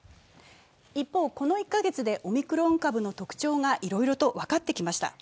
一方、この１カ月でオミクロン株の特徴がいろいろと分かってきました。